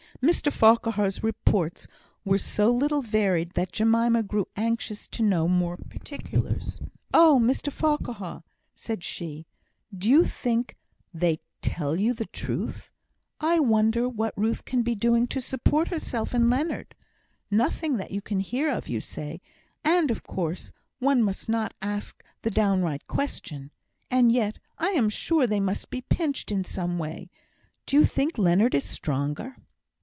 Mr Farquhar's reports were so little varied that Jemima grew anxious to know more particulars. "Oh, Mr Farquhar!" said she; "do you think they tell you the truth? I wonder what Ruth can be doing to support herself and Leonard? Nothing that you can hear of, you say; and, of course, one must not ask the downright question. And yet I am sure they must be pinched in some way. Do you think Leonard is stronger?"